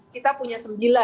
kita punya sembilan